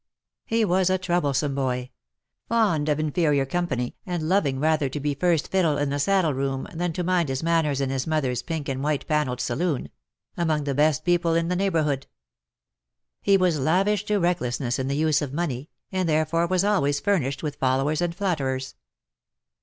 He was VOL. I. c 18 THE DAYS THAT ARE NO MORE. a troublesome boy — fond of inferior company^ and loving rather to be first fiddle in the saddle room than to mind his manners in his mother^s pink and white panelled saloon — among the best people in the neighbourhood. He was lavish to recklessness in the use of money, and therefore was always fur nished with followers and flatterers.